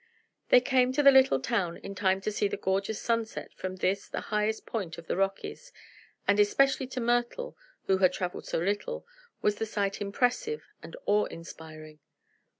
They came to the little town in time to see the gorgeous sunset from this, the highest point of the Rockies, and especially to Myrtle, who had traveled so little, was the sight impressive and awe inspiring.